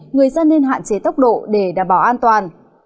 người dân nên hạn chế tốc độ để đảm bảo an toàn